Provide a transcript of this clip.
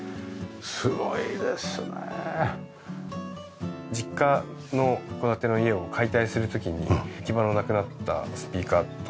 すごいですね！実家の戸建ての家を解体する時に行き場のなくなったスピーカーとアンプだったので。